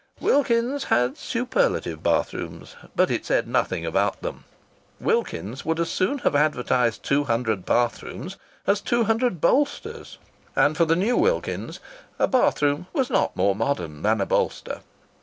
Wilkins's had superlative bathrooms, but it said nothing about them. Wilkins's would as soon have advertised two hundred bathrooms as two hundred bolsters; and for the new Wilkins's a bathroom was not more modern than a bolster.)